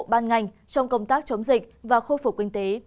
ban ngành trong công tác chống dịch và khôi phục kinh tế